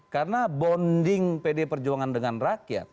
karena bonding pdi perjuangan dengan rakyat